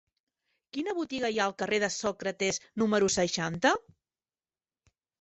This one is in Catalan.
Quina botiga hi ha al carrer de Sòcrates número seixanta?